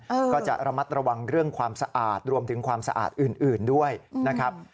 ก็จะระมัดระวังเรื่องความสะอาดรวมถึงความสะอาดอื่นอื่นด้วยนะครับ